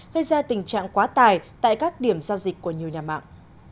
gây ra tình trạng quá tải tại các điểm giao dịch của nhiều nhà mạng